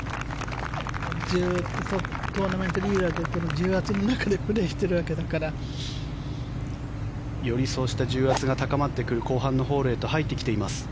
ずっとトーナメントリーダーで重圧の中でプレーしているわけだから。よりそうした重圧が高まってくる後半のホールへ入ってきています。